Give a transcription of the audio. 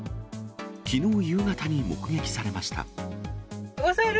きのう夕方に目撃されました。